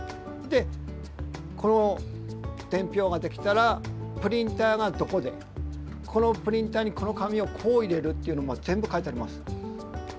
でこの伝票ができたらプリンターがどこでこのプリンターにこの紙をこう入れるっていうのも全部書いてあります。